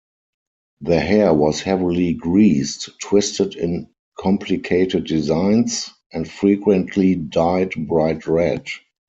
Their hair was heavily greased, twisted in complicated designs, and frequently dyed bright red.